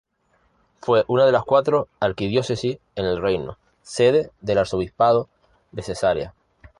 Fue una de las cuatro arquidiócesis en el Reino, sede del Arzobispado de Cesarea.